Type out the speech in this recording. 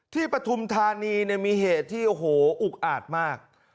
ที่ปฐุมธานีเนี่ยมีเหตุที่โอ้โหอุกอาจมาก